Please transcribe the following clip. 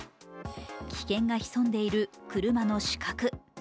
危険が潜んでいる車の死角。